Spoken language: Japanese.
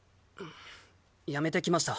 辞めてきました。